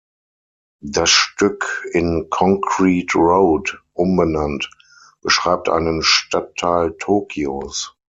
Das Stück, in "Concrete Road" umbenannt, beschreibt einen Stadtteil Tokios.